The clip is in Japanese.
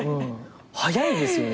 早いですよね